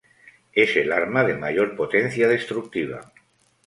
Es el arma de mayor potencia destructiva.